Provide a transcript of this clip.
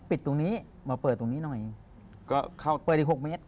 ปิดตรงนี้มาเปิดตรงนี้หน่อยเปิดอีก๖เมตร